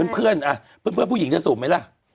เพื่อนผู้หญิงจะสูบไหมละ